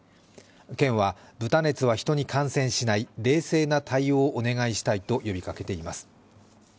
県は豚熱は人に感染しない、冷静な対応をお願いしたいと呼びかけています。